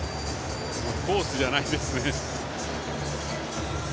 コースじゃないですね。